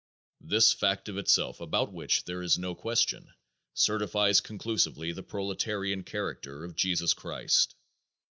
This fact of itself, about which there is no question, certifies conclusively the proletarian character of Jesus Christ.